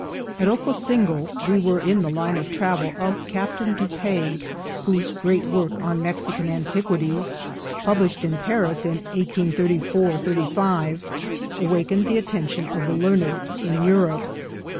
At Ocosingo we were on the line of travel of Captain Dupaix, whose great work on Mexican Antiquities, pub lished in Paris in 1834—5, awakened the attention of the learned in Europe.